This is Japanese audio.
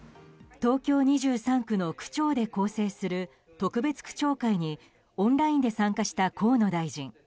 東京２３区の区長で構成する特別区長会にオンラインで参加した河野大臣。